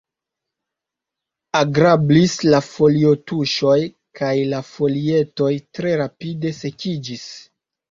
Agrablis la folio-tuŝoj kaj la folietoj tre rapide sekiĝis.